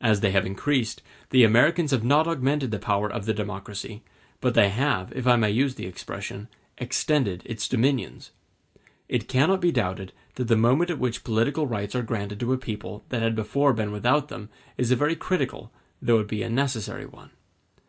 As they have increased, the Americans have not augmented the power of the democracy, but they have, if I may use the expression, extended its dominions. It cannot be doubted that the moment at which political rights are granted to a people that had before been without them is a very critical, though it be a necessary one.